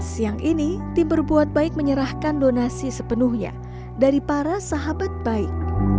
siang ini tim berbuat baik menyerahkan donasi sepenuhnya dari para sahabat baik